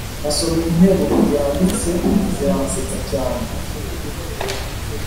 nasomye interuro yanditse ziransetsa cyane